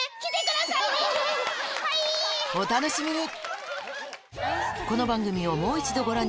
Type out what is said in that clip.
お楽しみに！